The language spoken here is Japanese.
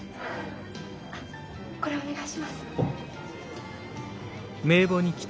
これお願いします。